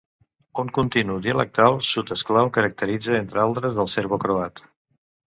Un continu dialectal sud eslau caracteritza entre altres al serbocroat.